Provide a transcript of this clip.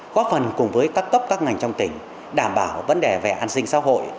có phần cùng với các cấp các ngành trong tỉnh đảm bảo vấn đề về an sinh xã hội